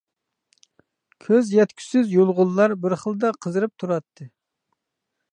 كۆز يەتكۈسىز يۇلغۇنلار بىر خىلدا قىزىرىپ تۇراتتى.